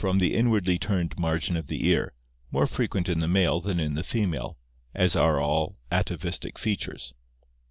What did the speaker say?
the inwardly turned margin of the ear, more frequent in the male than in the female, as are all atavistic features.